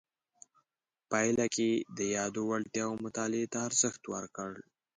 پایله کې یې د یادو وړتیاو مطالعې ته ارزښت ورکړ.